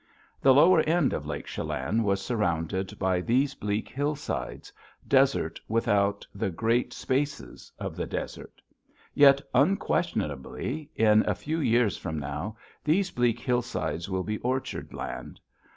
The lower end of Lake Chelan was surrounded by these bleak hillsides, desert without the great spaces of the desert. Yet unquestionably, in a few years from now, these bleak hillsides will be orchard land.